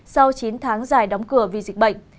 sau chín tháng dài đóng cửa vì dịch bệnh